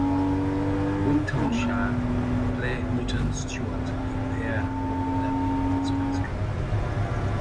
Wigtownshire play Newton Stewart in their local derby for the Spice Cup.